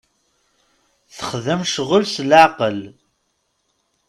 Txeddem ccɣel s leɛqel.